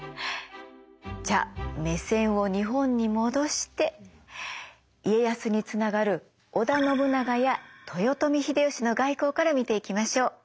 じゃあ目線を日本に戻して家康につながる織田信長や豊臣秀吉の外交から見ていきましょう。